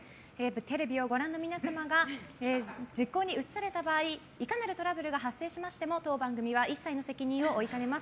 テレビをご覧の皆様が実行に移された場合いかなるトラブルが発生しましても当番組は一切の責任を負いかねます。